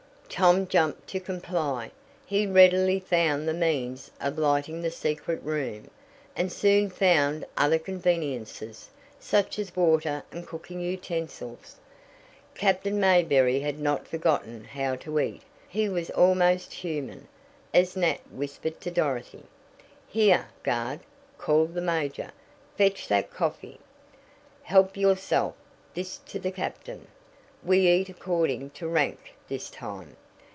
Tom jumped to comply. He readily found the means of lighting the secret room, and soon found other conveniences, such as water and cooking utensils. Captain Mayberry had not forgotten how to eat. He was "almost human," as Nat whispered to Dorothy. "Here, guard!" called the major. "Fetch that coffee. Help yourself." This to the captain. "We eat according to rank this time."